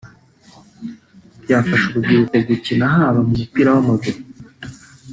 byafasha urubyiruko gukina haba mu mupira w’amaguru